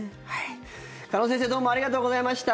鹿野先生どうもありがとうございました。